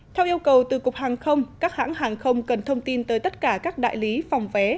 theo yêu cầu từ cục hàng không các hãng hàng không cần thông tin tới tất cả các đại lý phòng vé